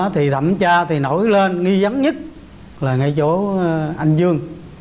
thì thẩm tra thì nổi lên nghi vấn nhất là ngay chỗ anh dương